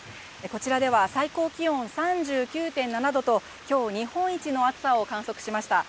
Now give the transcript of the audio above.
こちらでは、最高気温３９．７度と、きょう、日本一の暑さを観測しました。